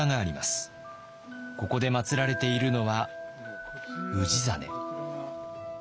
ここでまつられているのは氏真。